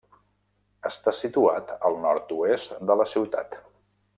Està situat al nord-oest de la ciutat.